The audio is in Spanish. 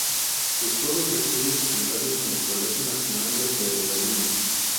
Cursó los estudios secundarios en el Colegio Nacional de Pergamino.